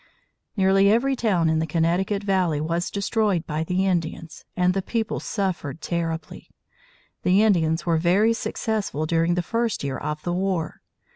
Nearly every town in the Connecticut Valley was destroyed by the Indians, and the people suffered terribly. The Indians were very successful during the first year of the war.